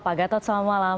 pak gatot selamat malam